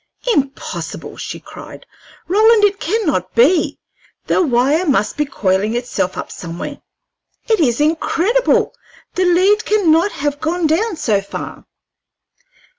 "Impossible!" she cried. "Roland, it cannot be! The wire must be coiling itself up somewhere. It is incredible! The lead cannot have gone down so far!"